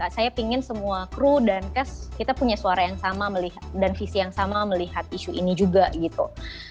saya ingin semua kru dan cast kita punya suara yang sama dan visi yang sama melihat isu ini juga gitu